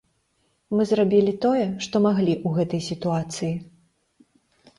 Мы зрабілі тое, што маглі ў гэтай сітуацыі.